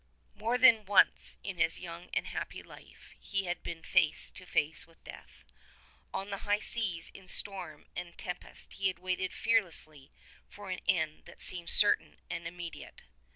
49 More than once in his young and happy life he had been face to face with death. On the high seas in storm and tem pest he had waited fearlessly for an end that seemed certain and immediate.